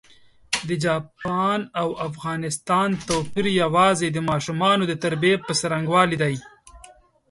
د چاپان او افغانستان توپېر یوازي د ماشومانو د تربیې پر ځرنګوالي دی.